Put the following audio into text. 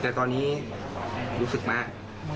แต่ตอนนี้รู้สึกมาก